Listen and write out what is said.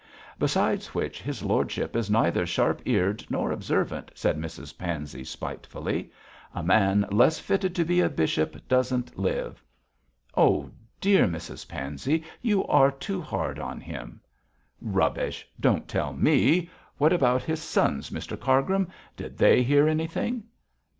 'Besides which his lordship is neither sharp eared nor observant,' said Mrs Pansey, spitefully; 'a man less fitted to be a bishop doesn't live.' 'Oh, dear Mrs Pansey! you are too hard on him.' 'Rubbish! don't tell me! What about his sons, Mr Cargrim? Did they hear anything?'